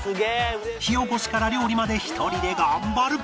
火起こしから料理まで１人で頑張る